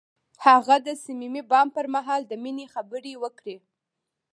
هغه د صمیمي بام پر مهال د مینې خبرې وکړې.